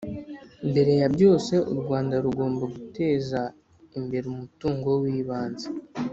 mbere ya byose, u rwanda rugomba guteza imbere umutungo w'ibanze